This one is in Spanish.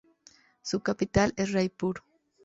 Su capital es Raipur.